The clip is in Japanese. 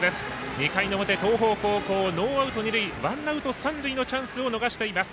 ２回の表、東邦高校ノーアウト、二塁ワンアウト、三塁のチャンスを逃しています。